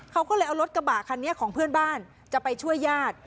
เขาก็เลยเอารถกระบะคันนี้ของเพื่อนบ้านจะไปช่วยญาติ